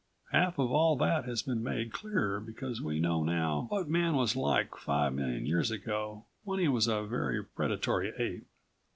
Half of all that has been made clearer because we know now what Man was like five million years ago when he was a very predatory ape.